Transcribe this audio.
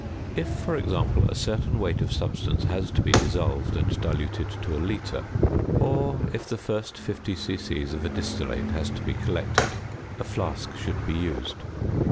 If, for example, a certain weight of substance has to be dissolved and diluted to a litre, or if the first 50 c.c. of a distillate has to be collected, a flask should be used.